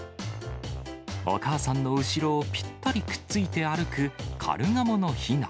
お母さんの後ろをぴったりくっついて歩くカルガモのひな。